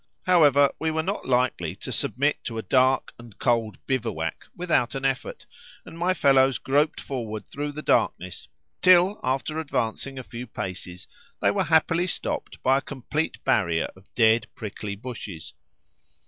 However, we were not likely to submit to a dark and cold bivouac without an effort, and my fellows groped forward through the darkness, till after advancing a few paces they were happily stopped by a complete barrier of dead prickly bushes.